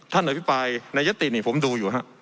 ท่านอภิกายนายัตติผมดูอยู่ฮะ